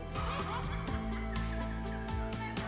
kalau nggak ya nggak usah dipiru